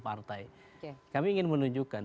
partai kami ingin menunjukkan